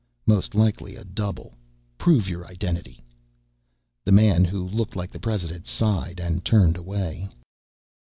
"Most likely a double. Prove your identity." The man who looked like the President sighed and turned away.